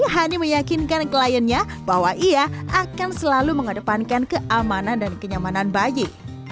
hanya meyakinkan kliennya bahwa ia akan selalu mengedepankan keamanan dan kenyamanan bayi